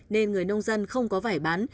nên người nông dân không có vải bán